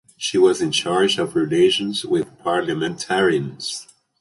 She was in charge of relations with parliamentarians.